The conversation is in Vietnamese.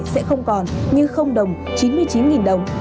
sẽ không còn như đồng chín mươi chín đồng